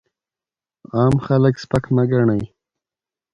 عام خلک سپک مه ګڼئ!